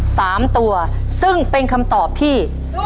สามตัวซึ่งเป็นคำตอบที่